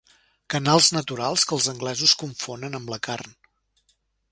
Canals naturals que els anglesos confonen amb la carn.